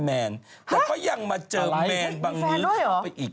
แต่เขายังมาเจอแมนบังนี้